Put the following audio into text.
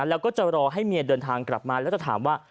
แล้วก็จะรอให้เมียเดินทางกลับมาแล้วจะถามว่า